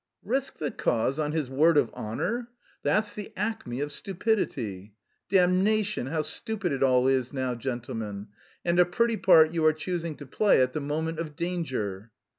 "Risk the cause on his word of honour that's the acme of stupidity! Damnation, how stupid it all is now, gentlemen! And a pretty part you are choosing to play at the moment of danger!"